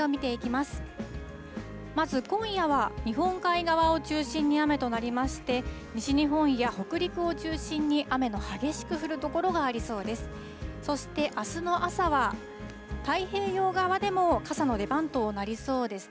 まず今夜は日本海側を中心に雨となりますが、西日本や北陸を中心に、雨が激しく降る所がありそうです。